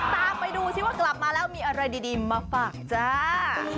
ตามไปดูซิว่ากลับมาแล้วมีอะไรดีมาฝากจ้า